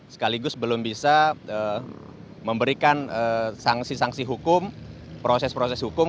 sekaligus belum bisa memberikan sanksi sanksi hukum proses proses hukum